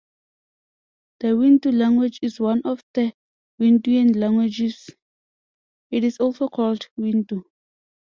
The Wintu language is one of the Wintuan languages; it is also called "Wintu".